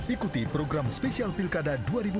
ikuti program spesial pilkada dua ribu delapan belas